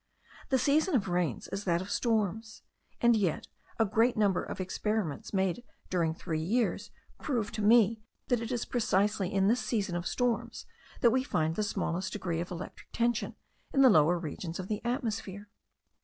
The season of rains is that of storms; and yet a great number of experiments made during three years, prove to me that it is precisely in this season of storms we find the smallest degree of electric tension in the lower regions of the atmosphere.